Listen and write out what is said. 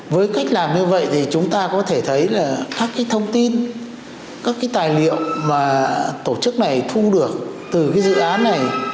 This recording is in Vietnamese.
với cách làm như vậy thì chúng ta có thể thấy là các cái thông tin các cái tài liệu mà tổ chức này thu được từ cái dự án này